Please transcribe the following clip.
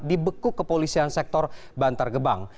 dibekuk kepolisian sektor bantar gebang